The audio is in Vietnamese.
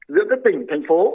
giữa các tỉnh thành phố